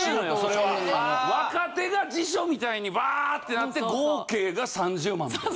若手が辞書みたいにバーッてなって合計が３０万みたい。